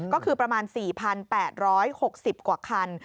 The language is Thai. ก็คือประมาณ๔๘๖๐กว่าคัน